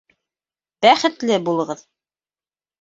Бәхетле булығыҙ!